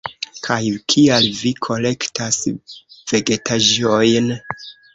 Kaj kial vi kolektas vegetaĵojn?